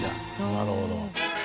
なるほど。